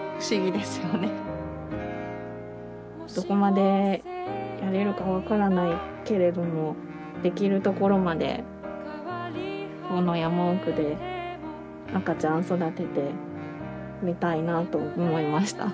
どこまでやれるか分からないけれどもできるところまでこの山奥で赤ちゃん育ててみたいなと思いました。